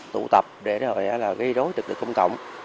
tụ tập để gây rối trực lực công cộng